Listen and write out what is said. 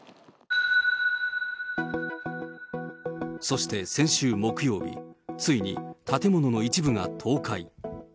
そして先週木曜日、ついに建物の一部が倒壊。